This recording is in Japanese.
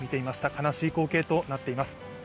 悲しい光景となっています。